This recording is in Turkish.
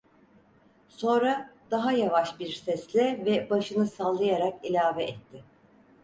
Sonra daha yavaş bir sesle ve başını sallayarak ilave etti: